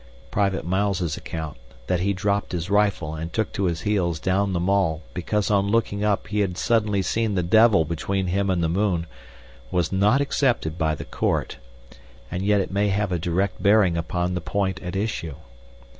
Private Miles' account, that he dropped his rifle and took to his heels down the Mall because on looking up he had suddenly seen the devil between him and the moon, was not accepted by the Court, and yet it may have a direct bearing upon the point at issue.